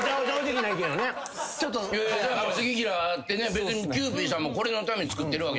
別にキユーピーさんもこれのためにつくってるわけじゃないから。